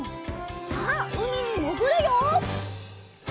さあうみにもぐるよ！